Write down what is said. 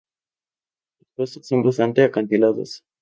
Sus costas son bastante acantiladas.